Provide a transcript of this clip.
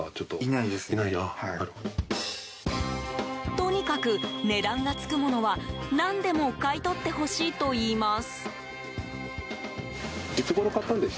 とにかく値段が付くものは何でも買い取ってほしいといいます。